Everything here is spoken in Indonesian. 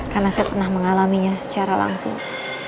karena saya pernah mengalaminya secara langsung